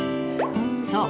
そう！